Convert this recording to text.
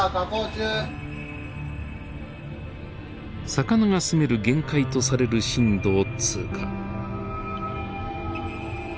魚が住める限界とされる深度を通過。